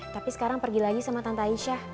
tapi sekarang pergi lagi sama tante aisyah